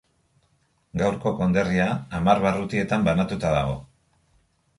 Gaurko konderria hamar barrutietan banatuta dago.